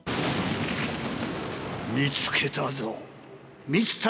見つけたぞ。